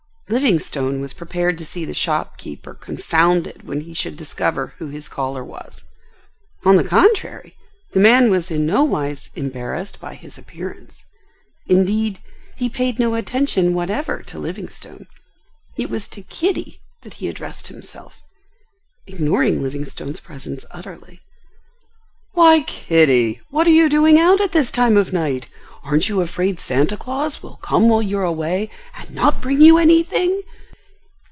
Livingstone was prepared to see the shopkeeper confounded when he should discover who his caller was. On the contrary, the man was in nowise embarrassed by his appearance. Indeed, he paid no attention whatever to Livingstone. It was to Kitty that he addressed himself, ignoring Livingstone's presence utterly. "Why, Kitty, what are you doing out at this time of night? Aren't you afraid Santa Claus will come while you are away, and not bring you anything?